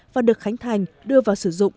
và được khánh thành đưa vào sử dụng